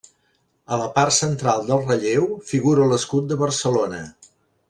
A la part central del relleu figura l'escut de Barcelona.